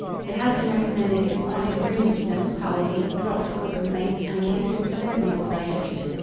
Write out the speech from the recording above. It has been recommended in chronic rheumatism, palsy, dropsical complaints, and in cases of enfeebled digestion.